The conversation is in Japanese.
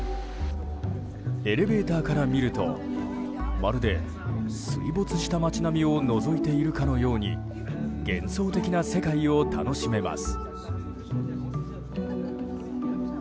エレベーターから見るとまるで水没した街並みをのぞいているかのように幻想的な世界を楽しめます。